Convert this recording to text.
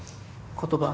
言葉？